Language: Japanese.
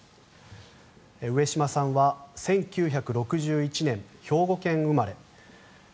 上島さんは１９６１年、兵庫県生まれ。